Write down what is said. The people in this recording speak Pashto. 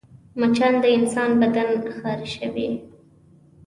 مچان د انسان بدن خارشوي